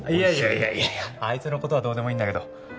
いやいやいやあいつのことはどうでもいいんだけど